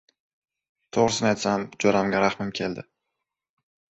To‘g‘risini aytsam, jo‘ramga rahmim keldi.